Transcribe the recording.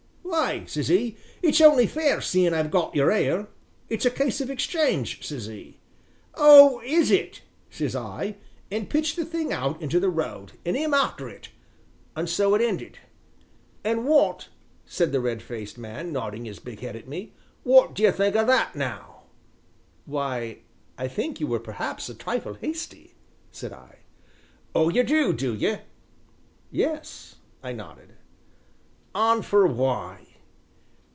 'Why,' says 'e, 'it's only fair seein' I've got your ale it's a case of exchange,' says 'e. 'Oh! is it?' says I, an' pitched the thing out into the road an' 'im arter it an' so it ended. An' wot," said the red faced man nodding his big head at me, "wot d'ye think o' that now?" "Why, I think you were perhaps a trifle hasty," said I. "Oh, ye do, do ye?" "Yes," I nodded. "An' for why?"